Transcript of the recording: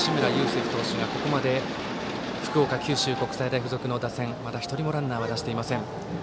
歩投手がここまで福岡・九州国際大付属の打線からまだ１人もランナーを出していません。